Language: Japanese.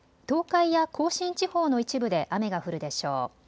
東海や甲信地方の一部で雨が降るでしょう。